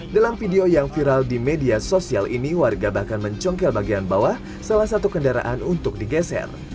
dalam video yang viral di media sosial ini warga bahkan mencongkel bagian bawah salah satu kendaraan untuk digeser